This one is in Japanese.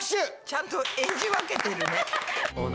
ちゃんと演じ分けてるね。